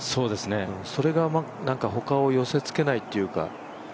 それが他を寄せつけないというか。